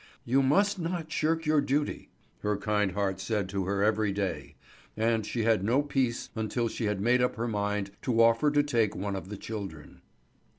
"You must not shirk your duty," her kind heart said to her every day; and she had no peace until she had made up her mind to offer to take one of the children.